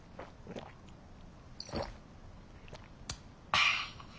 ああ！